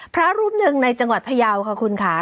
พระรูปหนึ่งในจังหวัดพยาวค่ะ